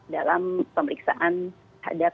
dalam pemeriksaan hadir